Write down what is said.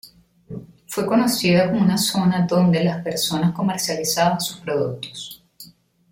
Fue conocida como una zona en donde las personas comercializaban sus productos.